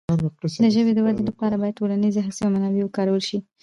د ژبې د وده لپاره باید ټولنیزې هڅې او منابع وکارول شي.